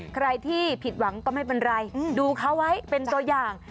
ใครที่ผิดหวังก็ไม่เป็นไรดูเขาไว้เป็นตัวอย่าง